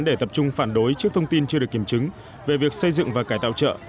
để tập trung phản đối trước thông tin chưa được kiểm chứng về việc xây dựng và cải tạo chợ